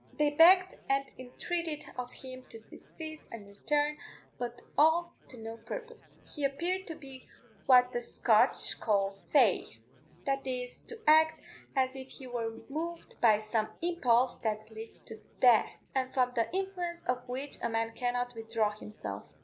They begged and entreated of him to desist and return, but all to no purpose: he appeared to be what the Scotch call fey that is, to act as if he were moved by some impulse that leads to death, and from the influence of which a man cannot withdraw himself.